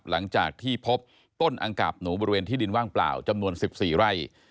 หลังจากที่พบต้นอังกาบหนูบริเวณที่ดินว่างเปล่าจำนวน๑๔ไร่